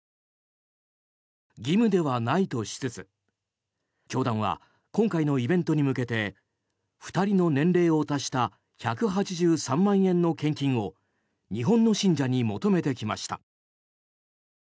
義務ではないとしつつ教団は今回のイベントに向けて２人の年齢を足した１８３万円の献金を日本の信者に求めてきました。